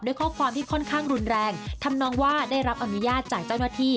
ข้อความที่ค่อนข้างรุนแรงทำนองว่าได้รับอนุญาตจากเจ้าหน้าที่